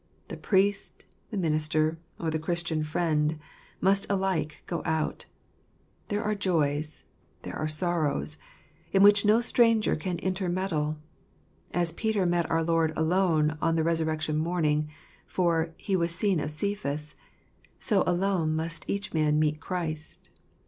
The priest, the minister, or the Christian friend, must alike go out. There are joys, as there are sorrows, in which no stranger can intermeddle. As Peter met our Lord alone on the resurrection morning, for " He was seen of Cephas "— so alone must each man meet Christ.